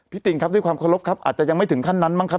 ติงครับด้วยความเคารพครับอาจจะยังไม่ถึงขั้นนั้นบ้างครับ